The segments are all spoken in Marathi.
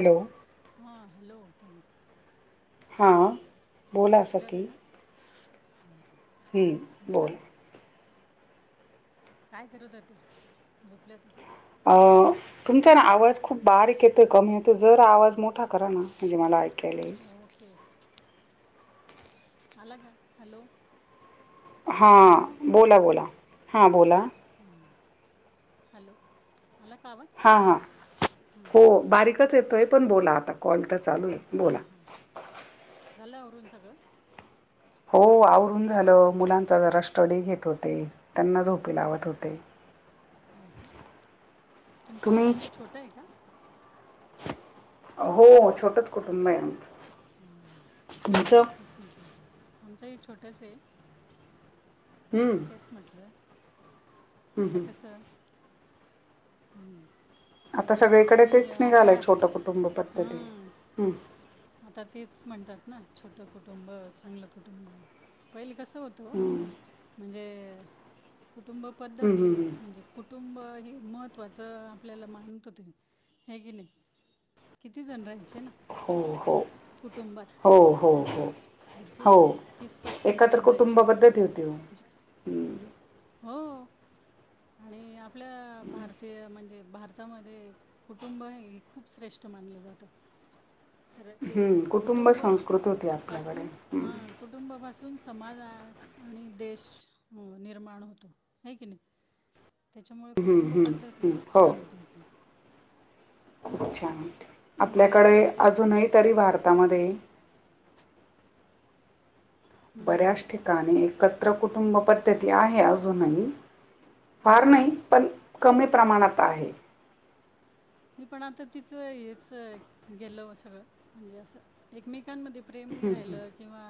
हॅलो. हां, हॅलो. हा. लपल्याते का? ब हम्म बोल. काय करत हो त्या, झोपल्यात का? अ तुमचा ना आवाज खूप बारीक येतो कमी. जर आवाज मोठा करा ना म्हणजे मला ऐकायला ईल. [unintelligible] आला का, हॅलो. हां हॅलो बोला बोला, हां बोला. हॅलो. आला का आवाज. हा हां, हां हो बारीकच येतोय पण बोला आता कॉल तर चालू आहे. हां बोला हां हां, झाल आवरून सगळं. हो आवरून झालं हॅलो मुलांचा जरा स्टडी घेत होते. त्यांना झोपी हो का लावत होते, हो का तुम्ही. ते आहे का. हो छोटच कुटुंब आहे आमचं. हो तुमचं तेस म्हटलं आमचं हे छोटंच आहे. हम्म. तेच म्हटलं हं, आता हं. कस हम्म. आता सगळीकडे तेच निघालंय छोट कुटुंब पद्धती हां हम्. आता तेच म्हणतात ना छोट कुटुंब चांगलं कुटुंब, पहिले कस त होतो हं, म्हणजे कुटुंब हं, पद्धती हं, हं. म्हणजे कुटुंब हे महत्त्वाचं आपल्याला मानतो ते हे की नाही. किती जण राहायचे ना. हो हो, कुटुंबात हो हो हो. भरपूर हो जण तीस पस्तीस एकत्र जण राहायचे कुटुंबा पद्धत होती हो म्हणजे हम्. हो आणि आपल्या भारतीय म्हणजे भार भारतामध्ये कुटुंब हे खूप श्रेष्ठ मानलं जातं. कारण की हं, कुटुंब संस्कृती होती आपल्याकडे पासून, हा कुटुंबापासून समाजा आणि देश निर्माण होतो. आहे की नाही त्याच्यामुळे हं, कुटुंब हं, पद्धती हं. खूप हो छान होते आपली. खूप छान म्हणून हे आपल्याकडे बघा की अजूनही तरी भारतामध्ये हम्म, बऱ्याच ठिकाणी एकत्र कुटुंब पद्धती आहे अजूनही. फार नाही हो पण कमी प्रमाणात आहे. [unintelligible] मी पण आता तिच हेच गेल सगळं म्हणजे असं एकमेकांमध्ये. प्रेमनी राहिलं किंवा.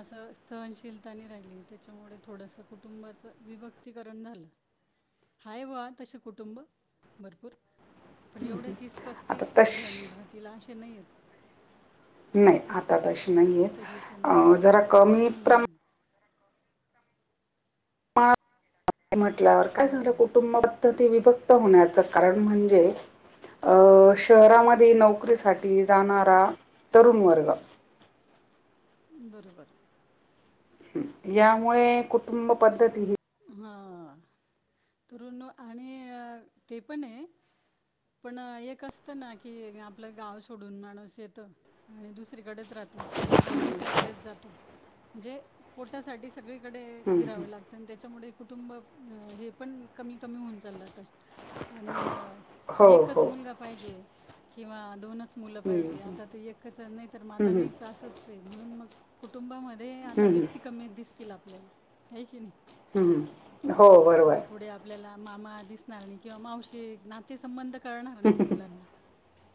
असं सहनशीलतानी राहिली त्याच्यामुळे थोडसं कुटुंबाचं विभक्तीकरण झालं. हाय वा तसें कुटुंब भरपूर. पण एवढे तीस आता पस्तीस जण तश राहतील असे नाही आहेत. नाही आता तशी नाही तसं हे पण नाही आहेत जरा कमी प्रमान. हम्म. म्हटल्यावर काय हो चांगलं कुटुंब. तर ते विभक्त होण्याचं कारण म्हणजे. शहरामध्ये नोकरीसाठी जाणारा तरुण वर्ग. बरोबर यामुळे कुटुंब पद्धती ह हा तरुण आणि ते पण आहे पण एक असतं ना की आपलं गाव सोडून माणूस येतं. आणि दुसरीकडेच राहतो त्याचा भाऊ दुसरीकडेच जातो म्हणजे पोटासाठीच. सगळीकडे हं, हं. फिरावं लागत. प त्याच्यामुळे कुटुंब हे पण कमी कमी होऊन चाललं त आणि. हो, एकच हो. मुलगा पाहिजे किंवा दोनच. मुलं हं, पाहिजे हं. आता एकच नाही तर मग हं, आता हं. नाहीच असच आहे म्हणून मग कुटुंबामध्ये. रे आता हं, हं. व्यक्ती कमीत दिसतील आपल्याला हे की नाही. हं, हं. हो, कि पुढे बरोबर. पुढे आपल्याला मामा दिसणार आणि किंवा मावशी नातेसंबंध. कळणार हं, नाहीत हं. मुलांना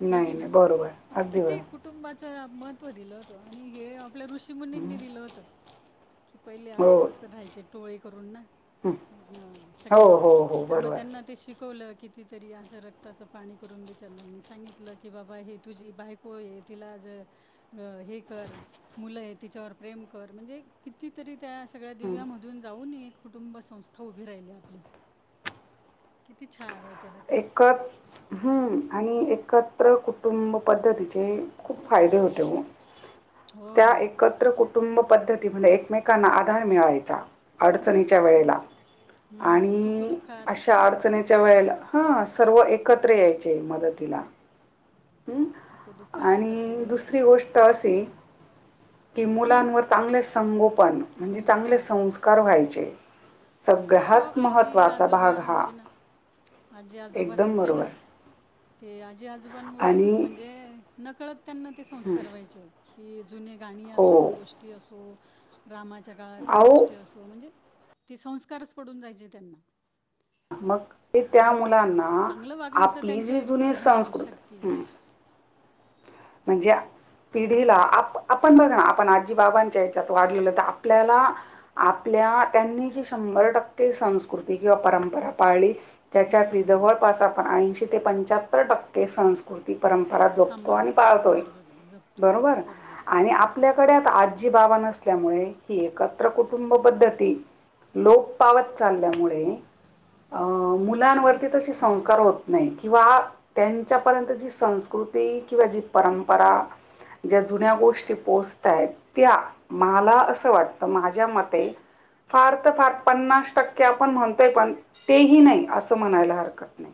हे नाही, की बरोबर. नाही अगदी किती बरोबर. कुठ. कुटुंबाचं महत्त्व दिलं होतं आणि हे आपल्या ऋषी हं. मुनींनी दिलं होत. की पहिले हो. असेच राहायचे टोळे करून ना. हं. ह हो, सगळे हो, हो. तर मग बरोबर. त्यांना ते शिकवलं कितीतरी अस. असं रक्ताचं पाणी करून विचारलंनी सांगितलं की बाबा हे तुझी बायको आहे तिला आजं. हे कर मुलं आहे तिच्यावर प्रेम कर म्हणजे कितीतरी त्या सगळ्या हं. दिव्यामधून जाऊन कुटुंब संस्था उभी राहिली आपली किती छान होते एकत हम आणि एकत्र कुटुंब पद्धतीचे खूप फायदे होते वो हो त्या एकत्र खरंच कुटुंब पद्धती म्हणजे एकमेक कांना आधार मिळायचा अडचणीच्या मी वेळेला हम्म, आणि सुखदुःखात अशा अडचणीच्या एक वेळेला हा सर्व एकत्र यायचे मदतीला हम् सुखदुःखात एकत्र आणि यायचे दुसरी गोष्ट असे की मुलांवर चांगले संगोपन म्हणजे चांगले संस्कार संका करवा्हायचे आणि ते कसं आजी आजोबा भाग हा रहायचे ना आजी आजोबां एकदम राहचे ना बरोबर ते आजी आजोबांमुळे आणि म्हणजे नकळत त्यांना ते हं संस्कार व्हायचे की जुने गाणी हो. असो गोष्टी असो. रामाच्या काळातल्या अहो गोष्टी असो म्हणजे ते संस्कारच पडून जायचे त्यांना. मग ते त्या आणि मुलांना चांगलं वागण्याच आपली त्यांच्या जी एक जुनी हं शक्ती संस्कृती आहे. म्हणजे पिढीला आप आपण बघ ना आपण आजी बाबांच्या हच्यात वाढलेलं तर आपल्याला. आपल्या त्यांनी जी शंभर टक्के संस्कृती किंवा परंपरा पाळली त्याच्यात हम्म, जवळपास आपण ऐंशी ते पंच्याहत्तर टक्के संस्कृत परंपरा जोपतो आणि सांभाळतो आहे बरोबर जपतो आणि बरोबर आहे आणि आपल्याकडे आजी बाबा नसल्यामुळे ही एकत्र कुटुंब पद्धती लोक पावत चालल्यामुळे अ लोप मुलांवरती तसे बरोबर संस्कार होत आहे नाही किंवा त्यांच्यापर्यंत जी संस्कृती किंवा जी परंपरा ज्या जुन्या गोष्टी पोहोचताय त्या असं वाटतं माझ्या मते, फार तर फार पन्नास टक्के आपण म्हणतोय पण तेही नाही असं म्हणायला हरकत नाही.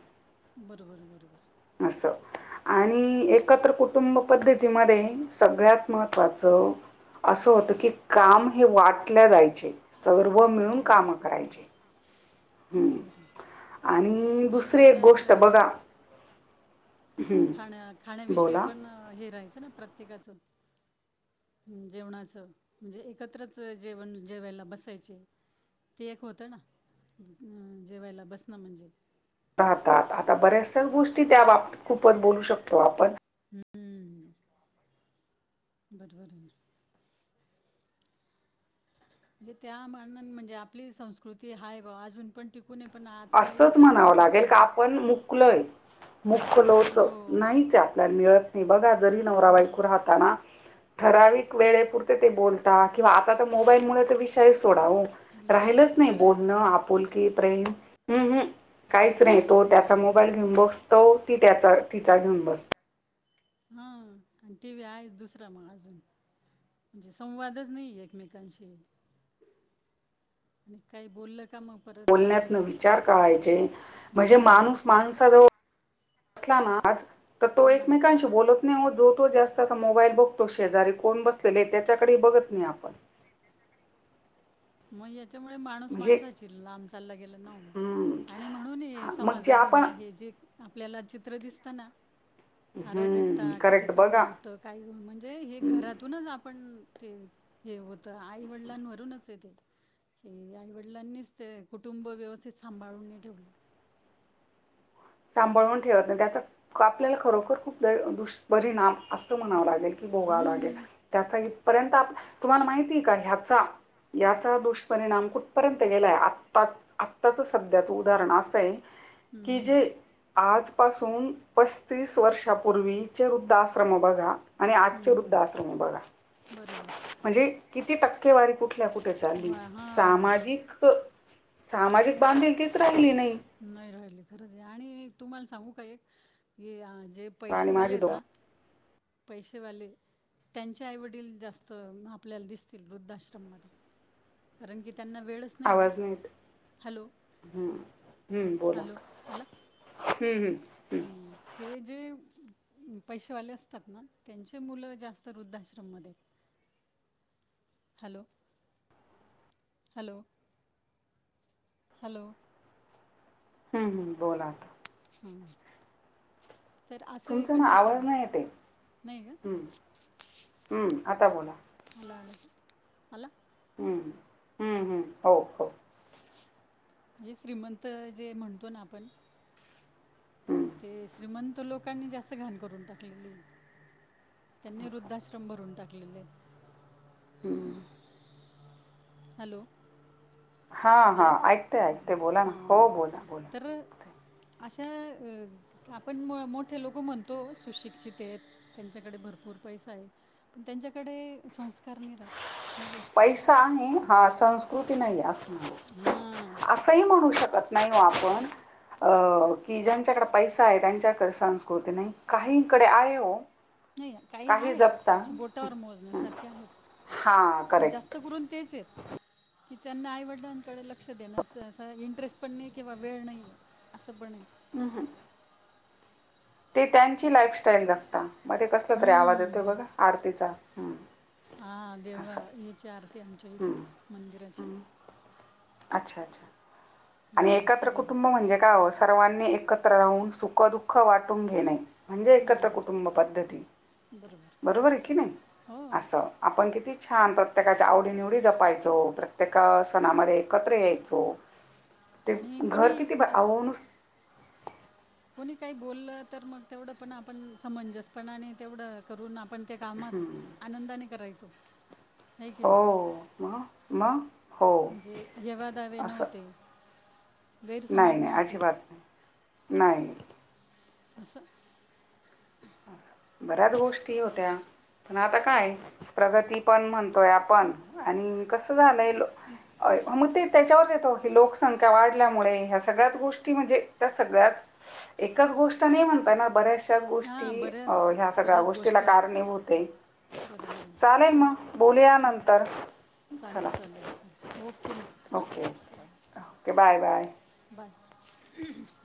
बरोबर बरोबर. अस आणि ते एकत्र कुटू कुटुंब पद्धतीमध्ये सगळ्यात महत्त्वाच. असं होतं की काम हे वाट ल्या जायचे सर्व मिळून वाटलं काम जायचं बरोबर करायचे. आहे. हम्म बरोबर आहे आणि दुसरी एक वेगवेगळं गोष्ट असं बघा, हं, खाण्या खाण्याविषयी बोला पण हे राहायचं ना प्रत्येकाच जेवणाचं म्हणजे एकत्रच जेवण जेवायला बसायचे. ते एक होतं ना जेवायला बसण म्हणजे, राहतात आता बऱ्याचश गोष्टी त्या बाबतीत खूपच बोलू शकतो आपण, हम्म. [unintelligible] म्हणजे त्या मनान आपली संस्कृती आहे बवा अजून पण टिकू कुणीपण असंच म्हणावं लागेल का आपण मुकलोय. मुख लोच हो नाहीच. आपल्याला मिळत नाही बघा जरी नवरा मिळत बायको राहत ना. ठराविकता वेळेपुरते ते बोलता किंवा आता तर मोबाईल मुळे तर विषय सोडाव. राहिलच विशेष नाही खरं आहे ते बोलणं आपुल े प्रेम. काहीच नाही तो त्याचा मोबाईल घेऊन ब तो ती त्याचा तिचा घेऊन बसते. हा आणि टी व्ही आहे दुसरा मग अजून, म्हणजे संवादच नाही एकमेकांशी, आणि काही बोललं का मग परत राग बण्यात येतो विचार करायचे म्हणजे हम्म, माणूस मा [unintelligible] की तो लांब एकमेकांशी बोलत नाही जो तो ज्याचा त्याचा मोबाईल बघतो शेजारी कोण बसलेले त्याच्याकडे बघत नाही आपण. मग याच्यामुळे माणूस म्हणजे माणसाची लांब चालला गेला नाहाओ हम्म. आणि म्हणून ये हा, मग जे समाजात ये आपण हे जे आपल्याला चित्र दिसतना. अराजकता हम्म, कुठे करेक्ट काही बघा होतं काही हो म्हणजे हे हम्म. घरातूनच आपण ते हे होत आई वडिलां [unintelligible] य तेे की आईवडिलांनीच ते कुटुंब व्यवस्थित सांभाळून नाही ठेवलं. सांभाळवून ठेवत नाही त्याचा आपल्याला खरोखर खूप दुष् बरिणाम असं म्हणावं लागेल बोगावं लागेल हम्म, त्याचा इथपर्यंत तुम्हाला माहिती का ह्याचा याचा दुष्परिणाम कुठ र्यंत गेलाय आ आताच सध्याच उदाहरण असं आहे की हम्म, जे आजपासून पस्तीस वर्षापूर्वी चे वृद्ध आश्रम बघा आणि आजचे वृद्ध हम्म. आश्रम बघा बरोबर. म्हणजे किती टक्केवारी कुठल्या कुठे चालली वा हां, सामाजिक सामाजिक बांधिलकीच राहिली नाही. नाही राहिली खरंच आहे आणि तुम्हाला सांगू का एक क जे आणि पैसेवाले माझी दो आहेत ना, पैसेवाले त्यांचे आईवडील जास्त आपल्याला दिसतील वृद्धाश्रममध्ये. कारण की त्यांना वेळच नाही ना. आवाज नाहीत हॅलो, हम हम्म बोला हॅलो, आला? हम्म हम्म हम्म हं, ते जे पैसेेवाले असतात ना त्यांचे मुलं जास्त वृद्धाश्रममध्ये हॅलो हॅलो हॅलो हम्म बोला ह तर असं ही तुमचा ना कंडिशन आवाज नाही येते आहे नाही ग हम्म, हम्म आता बोला अला अला अला हम्म हम्म हम्म हो हो ये श्रीमंत जे म्हणतो ना आपण हम्म, ते श्रीमंत लोकांनी जास्त घाण करून टाकलेली त्यांनी असं. वृद्धाश्रम भरून टाकलेले हम्म हॅलो हां, अला हां. ऐकते, ऐकते. बोला ना. हा हो, बोला, बोला. तर अशा अ आपण मोठे लोक म्हणतो सुशिक्षित आहेत त्यांच्याकडे भरपूर पैसा आहे पण त्यांच्याकडे संस्कार नाही ऱ्हात. पैसा आहे हा संस्कृती नाही अस म्ह हां असंही म्हणू शकत नाही ओ आपण अ की ज्यांच्याकडे पैसा आहे त्यांच्याकडे संस्कृती नाही काहीकडे आहे हो नाही काही आहेत जपता. अे हं, बोटावर हं. मोजण्यासारखे आहेत हां, करेक्ट. जास्त करून तेच हेत. कि त्यांना आईवडिलांकडे लक्ष देण्यात अस इंटरेस्ट पण नाही किंवा वेळ नाही असं बणेल हम् हम ते त्यांची लाईफस्टाईल जगता मग ते कसला तरी आवाज येतो हम्म. बघा आरतीचा ह देव असं. हची आरती आमच्या इथ हं, मंदिराची हं. अच्छा अच्छा आणि हम्म, एकत्र कुटुंब साईबाबा म्हणजे काय सर्वांनी एकत्र राहून सुख दुःख वाटून घेणे. म्हणजे एकत्र कुटुंब बरोबर पद्धती बरोबर आहे की नाही हो असं आपण किती छान प्रत्येकाच्या आवडीनिवडी जपायचो प्रत्येक सणामध्ये एकत्र यायचो ते आणि घर कोणी किती अस आव नुस कोणी काही बोललं तर मग तेवढं पण आपण समंजस पणाने आणि तेवढं करून आपण त्या कामात हं. आनंदाने करायचो आहे की नाही हो म म म्हणजे यवा दावे नव्हते नाही गैरसमज नाही नव्हते अजिबात नाही अस बऱ्याच गोष्टी होत्या. पन आता काय प्रगती पण म्हणतोय आपण आणि कसं झालंय मग त्याच्यावर कस होतय लोक संख्या वाढल्यामुळे ह्या सगळ्याच गोष्टी म्हणजे त्या सगळ्यात एकच गोष्ट नाही म्हणताय ना बऱ्याचशा गोष्टी हां की अ बऱ्याच ह्या सगळ्या बऱ्याच गोष्टीला गोष्टी आहेत कारणीभूते बरोबर आहे चालेल पण मग बोलूया नंतर चालेल चला चालेल चालेल ओके मग हां ओके ओक बाय बाय बंद